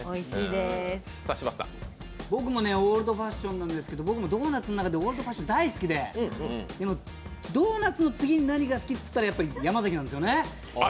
僕もオールドファッションなんですけど、僕もドーナツの中でオールドファッションが大好きでドーナツの次に何が好きかって言ったら、ヤマザキなんですよね。